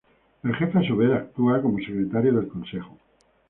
El Jefe, a su vez, actúa como Secretario del Consejo.